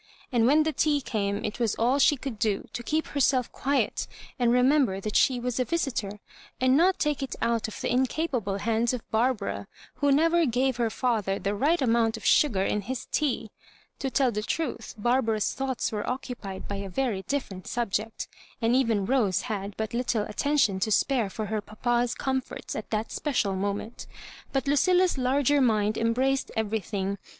And when the tea came it was all she could do to keep herself quiet, and remem ber that she was a visitor, and not take it out of the incapable hands of Barbara, who never gave her father the right amount of sugar in his tea. To tell the truth, Barbara's thoughts were occu pied by a very different subject ; and even Rose had but little attention to spare for her papa's comforts at that special moment But Lucilla's larger mind embraced everything.